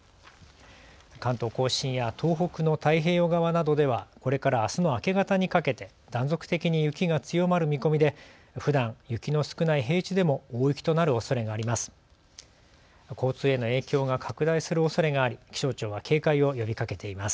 関東甲信や東北の太平洋側などではこれからあすの明け方にかけて断続的に雪が強まる見込みでふだん雪の少ない平地でも大雪となるおそれがあります。